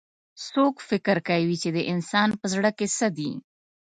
څوک فکر کوي چې د انسان پهزړه کي څه دي